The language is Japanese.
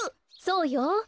そうよ。